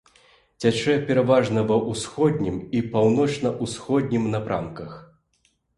Цячэ пераважна ва ўсходнім і паўночна-ўсходнім напрамках.